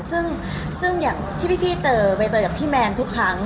ซึ่งอย่างที่พี่เจอใบเตยกับพี่แมนทุกครั้ง